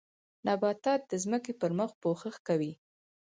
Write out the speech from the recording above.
نباتات د ځمکې پر مخ پوښښ کوي